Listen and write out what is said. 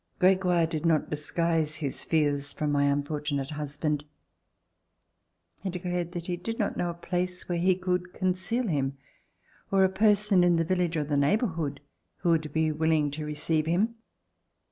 Gregoire did not disguise his fears from my un fortunate husband. He declared that he did not know a place where he could conceal him, or a person in the village or the neighborhood who would be willing to receive him.